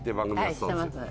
はい知ってます。